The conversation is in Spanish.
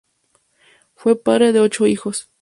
Fue padre de ocho hijos.